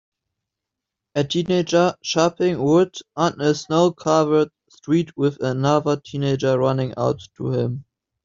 A teenager chopping wood on a snow covered street with a another teenager running out to him.